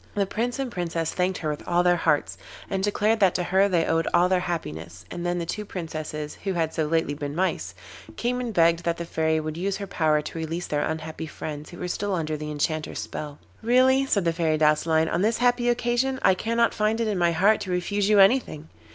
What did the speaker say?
The Prince and Princess thanked her with all their hearts, and declared that to her they owed all their happiness, and then the two Princesses, who had so lately been Mice, came and begged that the Fairy would use her power to release their unhappy friends who were still under the Enchanter's spell. 'Really,' said the Fairy Douceline, 'on this happy occasion I cannot find it in my heart to refuse you anything.